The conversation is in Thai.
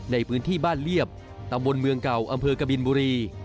ในพื้นที่บ้านเรียบตำบลเมืองเก่าอำเภอกบินบุรี